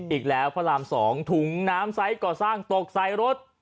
อีกแล้วพระราม๒ถุงน้ำไซส์ก่อสร้างตกใส่รถ